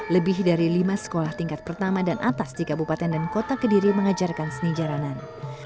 lebih dari lima sekolah tingkat pertama dan atas di kabupaten dan kota kediri mengajarkan seni jalanan